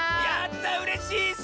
やったうれしい！